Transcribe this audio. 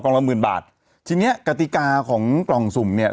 ละหมื่นบาททีเนี้ยกติกาของกล่องสุ่มเนี่ย